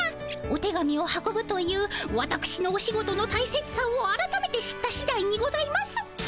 お手紙を運ぶというわたくしのお仕事の大切さをあらためて知った次第にございます。